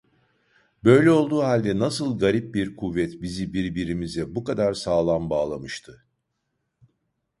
Böyle olduğu halde nasıl garip bir kuvvet bizi birbirimize bu kadar sağlam bağlamıştı?